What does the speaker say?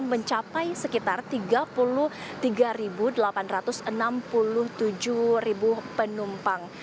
mencapai sekitar tiga puluh tiga delapan ratus enam puluh tujuh penumpang